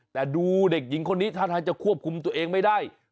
แต่ดูเด็กหญิงคนนี้ท่าทางจะควบคุมตัวเองไม่ได้